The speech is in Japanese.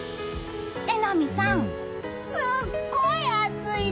榎並さん、すごい暑いね。